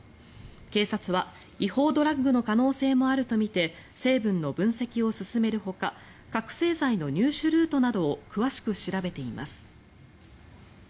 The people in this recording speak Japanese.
警察は、違法ドラッグの可能性もあるとみて成分の分析を進めるほか覚醒剤の入手ルートなどを詳しく調べています。